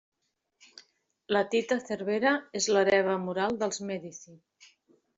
La Tita Cervera és l'hereva moral dels Medici.